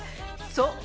そう。